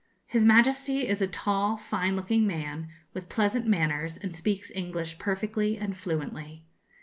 His Majesty is a tall, fine looking man, with pleasant manners, and speaks English perfectly and fluently.